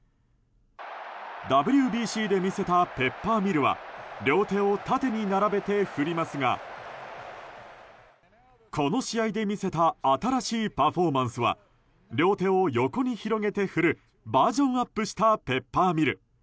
ＷＢＣで見せたペッパーミルは両手を縦に並べて振りますがこの試合で見せた新しいパフォーマンスは両手を横に広げて振るバージョンアップしたペッパーミル。